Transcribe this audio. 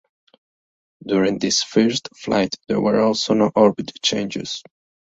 During this first flight there were also no orbit changes.